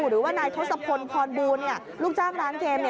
หรือว่านายทศพลพรบูลลูกจ้างร้านเกม